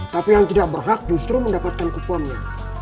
tapi yang tidak berhak justru mendapatkan kuponnya